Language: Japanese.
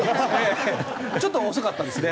ちょっと遅かったですね。